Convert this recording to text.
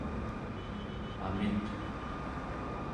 amiq